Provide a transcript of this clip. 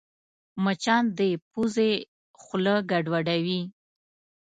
مچان د پوزې خوله ګډوډوي